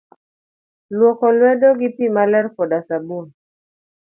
Luoko lwedo gi pii maler koda sabun.